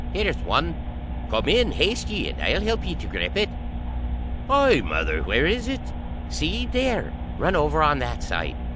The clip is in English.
Here's one. Come in, haste ye, and I'll help ye to grip it." "Ay, mother, where is it?" "See there. Run over on that side."